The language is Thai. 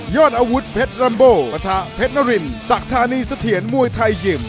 ยอดอาวุธเพชรลัมโบประทะเพชรนริมศักดิ์ฐานีเสถียรมวยไทยยิ่ม